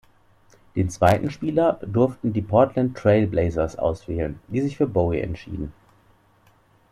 Den zweiten Spieler durften die Portland Trail Blazers auswählen, die sich für Bowie entschieden.